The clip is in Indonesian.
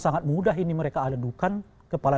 sangat mudah ini mereka adukan kepala